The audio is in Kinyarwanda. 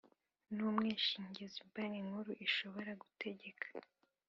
n umwishingizi Banki Nkuru ishobora gutegeka